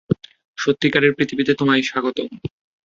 সত্যিকারের পৃথিবীতে তোমায় স্বাগতম।